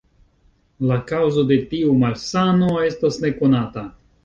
La kaŭzo de tiu malsano estas nekonata.